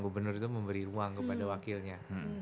gubernur itu memberi ruang kepada wakilnya